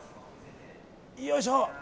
よいしょ！